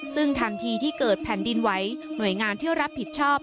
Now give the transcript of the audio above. ซึ่งทันทีที่เกิดแผ่นดินไหวหน่วยงานที่รับผิดชอบ